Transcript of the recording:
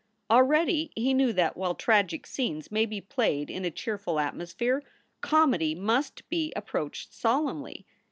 Already he knew that, while tragic scenes may be played in a cheerful atmosphere, comedy must be approached solemnly.